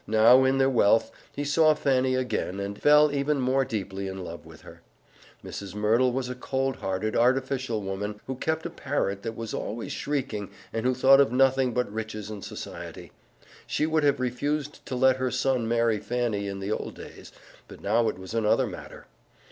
Now, in their wealth, he saw Fanny again and fell even more deeply in love with her. Mrs. Merdle was a cold hearted, artificial woman, who kept a parrot that was always shrieking, and who thought of nothing but riches and society. She would have refused to let her son marry Fanny in the old days, but now it was another matter.